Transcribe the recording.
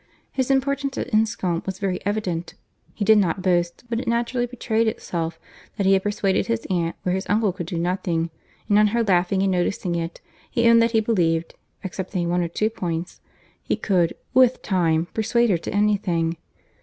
His importance at Enscombe was very evident. He did not boast, but it naturally betrayed itself, that he had persuaded his aunt where his uncle could do nothing, and on her laughing and noticing it, he owned that he believed (excepting one or two points) he could with time persuade her to any thing.